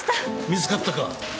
見つかったか。